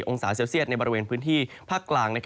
องศาเซลเซียตในบริเวณพื้นที่ภาคกลาง